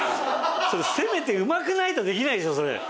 せめてうまくないとできないでしょそれ。